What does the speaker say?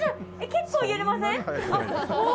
結構、揺れません？